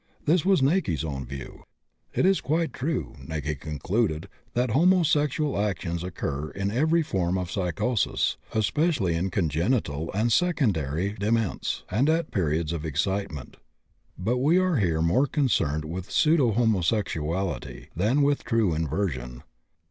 This was Näcke's own view. It is quite true, Näcke concluded, that homosexual actions occur in every form of psychosis, especially in congenital and secondary dements, and at periods of excitement, but we are here more concerned with "pseudo homosexuality" than with true inversion.